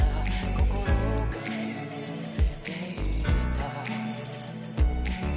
心が揺れていた」